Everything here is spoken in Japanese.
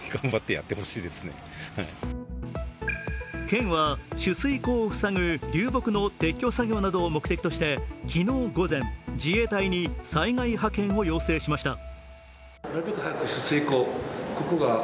県は取水口を塞ぐ流木の撤去作業などを目的として、昨日午前、自衛隊に災害派遣を要請しました。